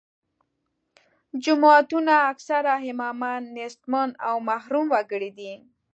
جوماتونو اکثره امامان نیستمن او محروم وګړي دي.